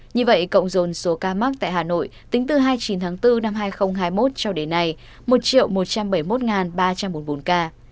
như vậy cộng dồn số ca mắc tại hà nội tính từ hai mươi chín tháng bốn năm hai nghìn hai mươi một cho đến nay một một trăm bảy mươi một ba trăm bốn mươi bốn ca